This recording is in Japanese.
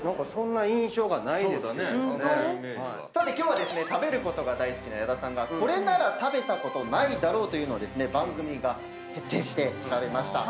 さて今日は食べることが大好きな矢田さんがこれなら食べたことないだろうというのをですね番組が徹底して調べました。